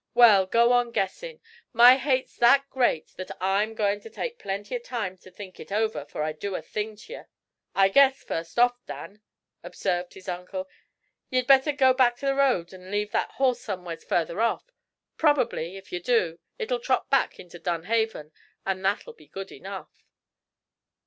"Well, go on guessin'. My hate's that great that I'm goin' ter take plenty o' time to think it over 'fore I do a thing t'ye." "I guess, first off, Dan," observed his uncle, "ye'd better go back t' the road an' leave that horse somewheres further off. Probably, if ye do, it'll trot back into Dunhaven, and that'll be good enough."